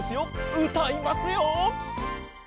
うたいますよ！